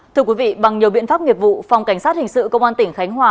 thưa quý vị bằng nhiều biện pháp nghiệp vụ phòng cảnh sát hình sự công an tỉnh khánh hòa